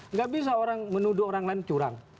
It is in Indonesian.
nggak bisa orang menuduh orang lain curang